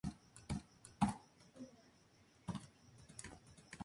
En sus obras políticas discutió con las grandes figuras del pensamiento de su tiempo.